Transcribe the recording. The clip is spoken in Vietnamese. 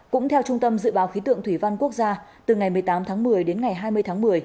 cũng theo trung tâm dự báo khí tượng thủy văn quốc gia từ ngày một mươi tám tháng một mươi đến ngày hai mươi tháng một mươi